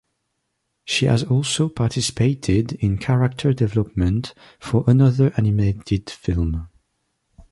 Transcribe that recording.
She has also participated in character development for another animated film.